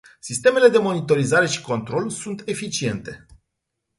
Sistemele de monitorizare și control sunt eficiente.